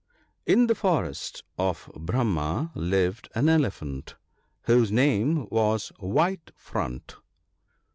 N the forest of Brahma ( i3 ) lived an Elephant, whose name was 'White front.'